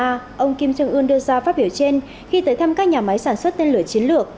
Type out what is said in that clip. trung ương đưa ra phát biểu trên khi tới thăm các nhà máy sản xuất tên lửa chiến lược